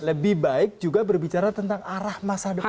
lebih baik juga berbicara tentang arah masa depan